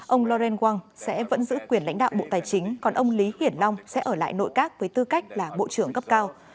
ông loren wang sẽ vẫn giữ quyền lãnh đạo bộ tài chính còn ông lý hiển long sẽ ở lại nội các với tư cách là bộ trưởng cấp cao